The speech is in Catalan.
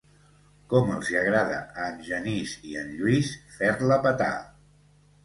Com els hi agrada a en Genís i en Lluís fer-la petar.